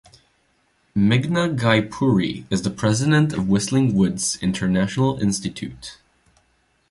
Meghna Ghai Puri is the President of Whistling Woods International Institute.